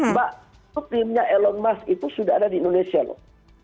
mbak itu timnya elon musk itu sudah ada di indonesia loh